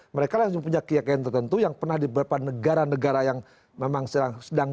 mereka langsung punya keyakinan tertentu yang pernah di beberapa negara negara yang memang sedang